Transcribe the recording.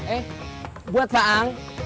eh buat fa'ang